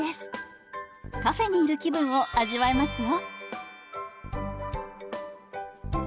カフェにいる気分を味わえますよ。